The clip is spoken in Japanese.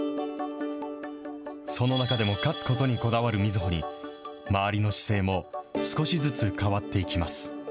その中でも勝つことにこだわる瑞穂に、周りの姿勢も少しずつ変わっていきます。